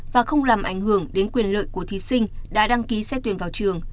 và không làm ảnh hưởng đến quyền lợi của thí sinh đã đăng ký xét tuyển vào trường